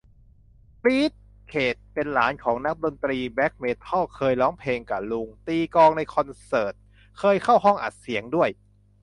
กรี๊ด เคท เป็นหลานของนักดนตรีแบล็คเมทัล เคยร้องเพลงกะลุง ตีกลองในคอนเสิร์ต เคยเข้าห้องอัดเสียงด้วย